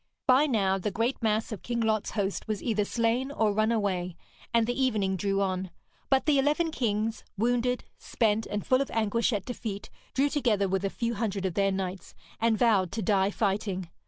By now the great mass of King Lot's host was either slain or run away, and the evening drew on; but the eleven kings, wounded, spent, and full of anguish at defeat, drew together with a few hundred of their knights, and vowed to die fighting.